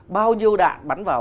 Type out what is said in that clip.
bao nhiêu đạn bắn vào